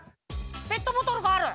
ペットボトルがある。